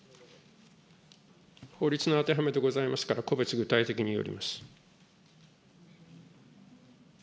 法律の当てはめでございますから、個別具体的によります。